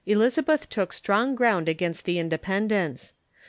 Elizabeth took strong ground against the Independents.